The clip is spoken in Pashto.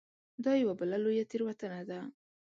دا یوه بله لویه تېروتنه ده.